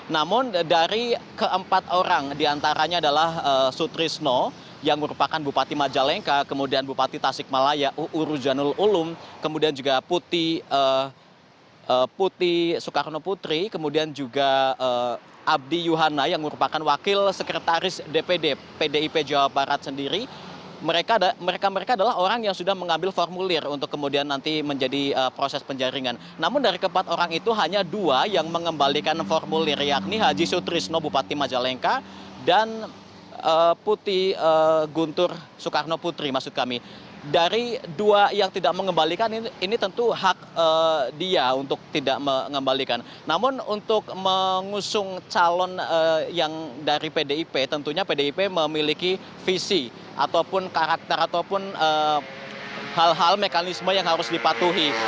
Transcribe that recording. namun dari keempat orang diantaranya adalah sutrisno yang merupakan bupati majalengka kemudian bupati tasikmalaya urujanul ulum kemudian juga putih soekarno putri kemudian juga abdi yuhanna yang merupakan wakil sekretaris dpd